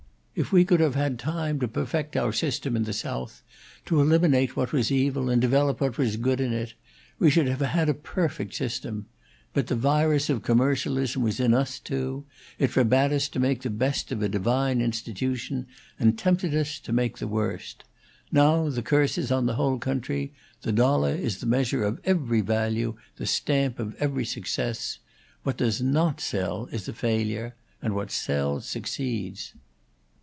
If we could have had time to perfect our system at the South, to eliminate what was evil and develop what was good in it, we should have had a perfect system. But the virus of commercialism was in us, too; it forbade us to make the best of a divine institution, and tempted us to make the worst. Now the curse is on the whole country; the dollar is the measure of every value, the stamp of every success. What does not sell is a failure; and what sells succeeds."